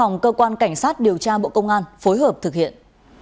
hồng cơ quan cảnh sát điều tra bộ công an phối hợp thực hiện